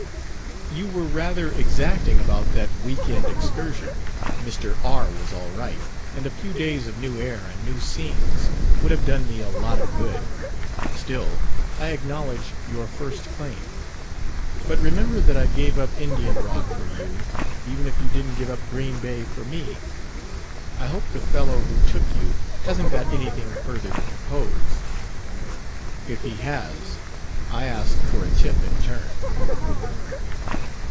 "You were rather exacting about that week end excursion. Mr. R. was all right, and a few days of new air and new scenes would have done me a lot of good. Still, I acknowledge your first claim. But remember that I gave up Indian Rock for you, even if you didn't give up Green Bay for me. I hope the fellow who took you hasn't got anything further to propose. If he has, I ask for a tip in turn.